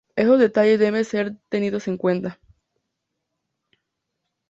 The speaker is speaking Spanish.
Estos detalles deben ser tenidos en cuenta.